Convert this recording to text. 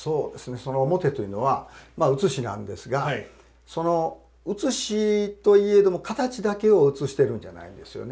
その面というのは写しなんですがその写しといえども形だけを写してるんじゃないんですよね。